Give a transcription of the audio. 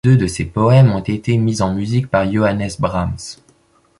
Deux de ses poèmes ont été mis en musique par Johannes Brahms.